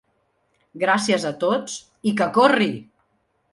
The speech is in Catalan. Gràcies a tots, i que corri!